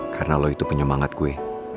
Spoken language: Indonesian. karena lo itu penyemangat gue